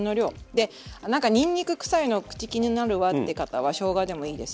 で何かにんにく臭いの口気になるわって方はしょうがでもいいですし。